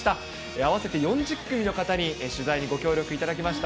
合わせて４０組の方に取材にご協力いただきました。